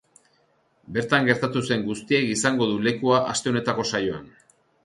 Bertan gertatu zen guztiak izango du lekua aste honetako saioan.